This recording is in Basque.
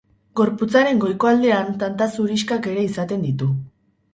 Gorputzaren goiko aldean tanta zurixkak ere izaten ditu.